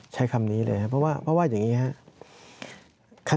ใช้คำนี้เลยครับเพราะว่าอย่างนี้ครับ